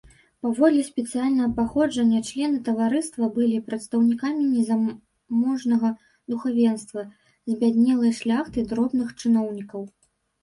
Паводле сацыяльнага паходжання члены таварыства былі прадстаўнікамі незаможнага духавенства, збяднелай шляхты, дробных чыноўнікаў.